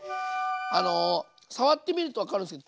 触ってみると分かるんですけど